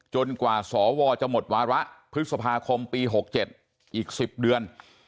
กว่าสวจะหมดวาระพฤษภาคมปี๖๗อีก๑๐เดือน